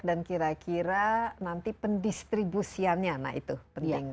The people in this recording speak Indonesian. dan kira kira nanti pendistribusiannya nah itu pentingnya